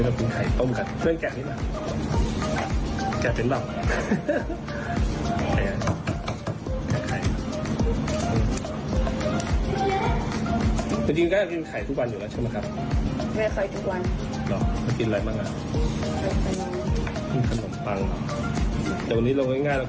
เรากินไข่ต้มกันช่วยกัดนิดหน่อยกัดเป็นร่ำ